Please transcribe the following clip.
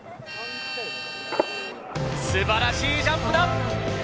素晴らしいジャンプだ！